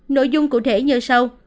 nội dung cụ thể như sau